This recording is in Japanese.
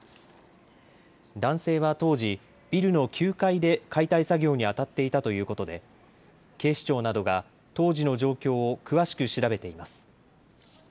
男性は当時、ビルの９階で解体作業にあたっていたということで警視庁などが当時の状況を詳しく調べています。